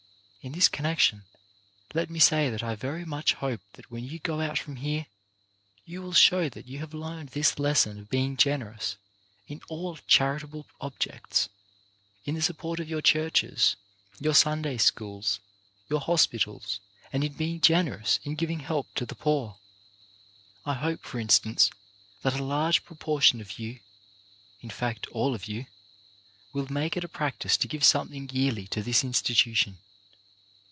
In this connection let me say that I very much hope that when you go out from here you will show that you have learned this lesson of being generous in all charitable objects, in the support of your churches, your Sunday schools, n6 CHARACTER BUILDING your hospitals, and in being generous in giving help to the poor. I hope, for instance, that a large proportion of you — in fact all of you — will make it a practice to give something yearly to this institution.